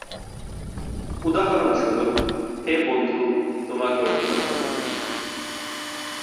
উদাহরণস্বরূপ- হে বন্ধু, তোমাকে অভিনন্দন।